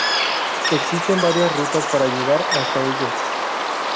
Existen varias rutas para llegar hasta ellos.